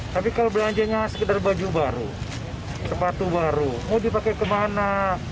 tapi kalau belanjanya sekedar baju baru sepatu baru mau dipakai kemana